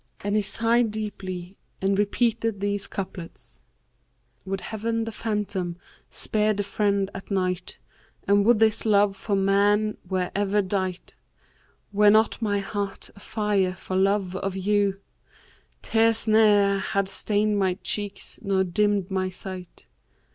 And he sighed deeply and repeated these couplets, 'Would Heaven the Phantom[FN#548] spared the friend at night * And would this love for man were ever dight! Were not my heart afire for love of you, * Tears ne'er had stained my cheeks nor dimmed my sight.